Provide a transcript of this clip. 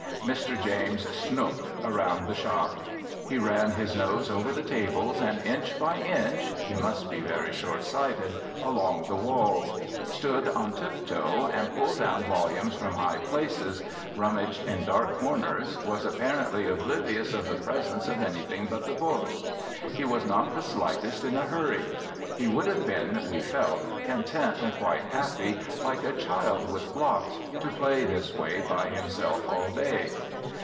Mr. James "snooked" around the shop. He ran his nose over the tables, and inch by inch (he must be very shortsighted) along the walls, stood on tiptoe and pulled down volumes from high places, rummaged in dark corners, was apparently oblivious of the presence of anything but the books. He was not the slightest in a hurry. He would have been, we felt, content and quite happy, like a child with blocks, to play this way by himself all day.